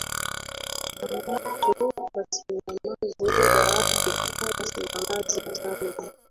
na watu wasinyamaze waafrika wasinyamaze jambo